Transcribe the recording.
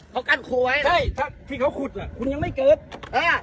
เขากั้นครัวไว้ใช่ถ้าที่เขาขุดอ่ะคุณยังไม่เกิดอ่า